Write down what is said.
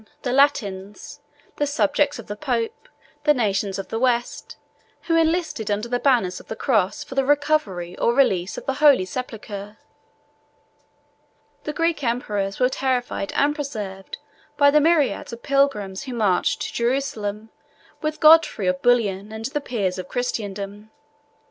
The Latins; the subjects of the pope, the nations of the West, who enlisted under the banner of the cross for the recovery or relief of the holy sepulchre. The Greek emperors were terrified and preserved by the myriads of pilgrims who marched to Jerusalem with Godfrey of Bouillon and the peers of Christendom.